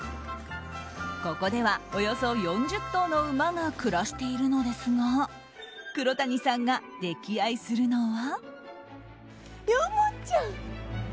ここではおよそ４０頭の馬が暮らしているのですが黒谷さんが溺愛するのは。